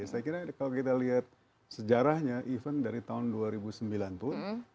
saya kira kalau kita lihat sejarahnya event dari tahun dua ribu sembilan pun